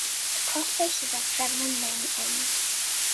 The cross base is at Trevellan Lane End.